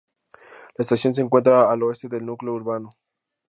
La estación se encuentra al oeste del núcleo urbano.